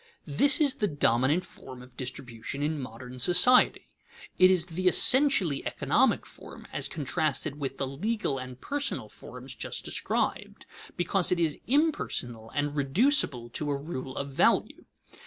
_ This is the dominant form of distribution in modern society. It is the essentially economic form, as contrasted with the legal and personal forms just described, because it is impersonal and reducible to a rule of value.